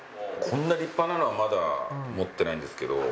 こんな立派なのはまだ持ってないんですけど。